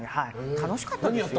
楽しかったですよ。